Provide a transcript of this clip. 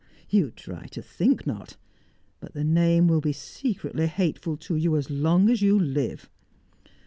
"You try to think not. But the name will be secretly hateful to you as long as you live."